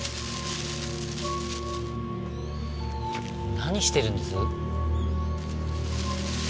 何してるんです？